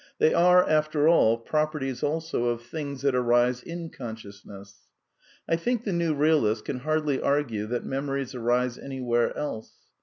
They are, after all, properties also of things that arise in consciousness. . I think the new realist can hardly argue that memories T"'^ arise anywhere else.